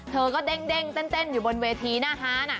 เธอก็เด้งเต้นอยู่บนเวทีหน้าฮาน